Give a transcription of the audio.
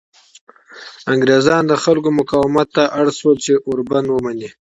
انګریزان د خلکو مقاومت ته اړ شول چې اوربند ومني.